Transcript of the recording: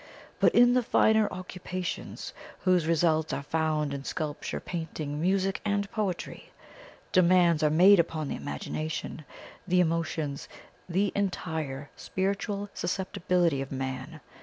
But in the finer occupations, whose results are found in sculpture, painting, music and poetry, demands are made upon the imagination, the emotions, the entire spiritual susceptibility of man.